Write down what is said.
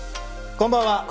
こんばんは。